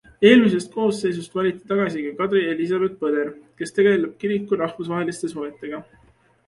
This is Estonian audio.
Eelmisest koosseisust valiti tagasi ka Kadri Eliisabet Põder, kes tegeleb kiriku rahvusvaheliste suhetega.